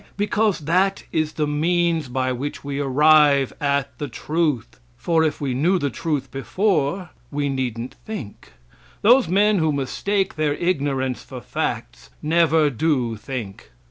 Because that is the means by which we arrive at truth; for if we knew the truth before, we needn't think. Those men who mistake their ignorance for facts, never do think.